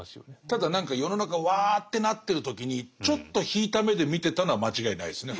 ただ何か世の中ワーッてなってる時にちょっと引いた目で見てたのは間違いないですね。